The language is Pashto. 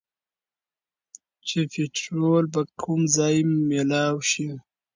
چې پيټرول به کوم ځايې مېلاؤ شي